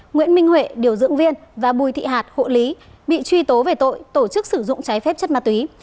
nguyễn minh huệ điều dưỡng viên và bùi thị hạt hộ lý bị truy tố về tội tổ chức sử dụng trái phép chất ma túy